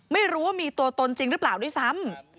ไม่รู้ว่ามีตัวตนจริงหรือเปล่าด้วยซ้ำ